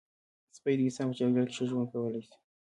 سپي د انسان په چاپېریال کې ښه ژوند کولی شي.